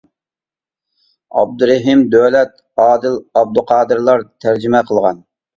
ئابدۇرېھىم دۆلەت، ئادىل ئابدۇقادىرلار تەرجىمە قىلغان.